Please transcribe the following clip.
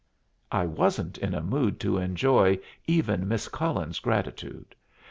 I wasn't in a mood to enjoy even Miss Cullen's gratitude.